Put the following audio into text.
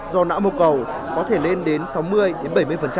do nã mồ cầu có thể lên đến sáu mươi đến bảy mươi